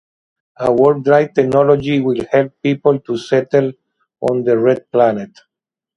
A warp drive technology will help people to settle on the red planet.